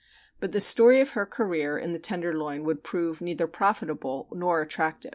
But the story of her career in the Tenderloin would prove neither profitable nor attractive.